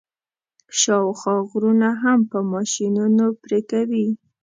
شاوخوا غرونه هم په ماشینونو پرې کوي.